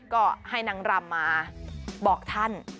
ก็ให้นางรำมาบอกท่าน